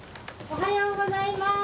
おはようございます！